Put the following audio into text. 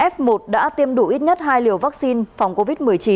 f một đã tiêm đủ ít nhất hai liều vaccine phòng covid một mươi chín